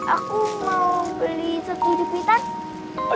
aku mau beli satu jepitan